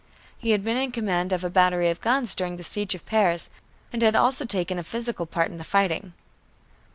He had been in command of a battery of guns during the siege of Paris, and had also taken a physical part in the fighting.